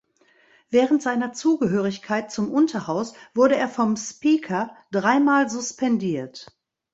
Während seiner Zugehörigkeit zum Unterhaus wurde er vom Speaker dreimal suspendiert.